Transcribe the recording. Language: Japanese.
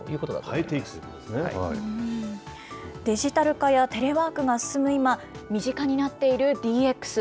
変えていこうといデジタル化やテレワークが進む今、身近になっているＤＸ。